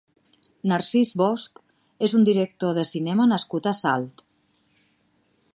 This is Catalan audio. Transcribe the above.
Narcís Bosch és un director de cinema nascut a Salt.